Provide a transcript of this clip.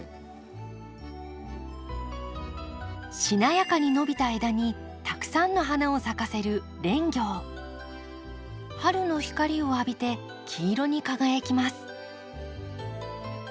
しなやかに伸びた枝にたくさんの花を咲かせる春の光を浴びて黄色に輝きます。